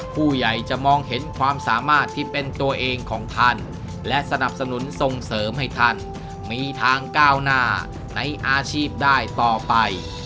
ผู้ใหญ่จะมองเห็นความสามารถที่เป็นตัวเองของท่านและสนับสนุนส่งเสริมให้ท่านมีทางก้าวหน้าในอาชีพได้ต่อไป